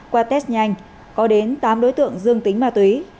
qua test nhanh có đến tám đối tượng dương tính ma túy